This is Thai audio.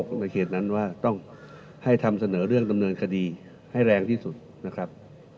ในเขตนั้นว่าต้องให้ทำเสนอเรื่องดำเนินคดีให้แรงที่สุดนะครับ